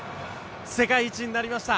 世界一になりました。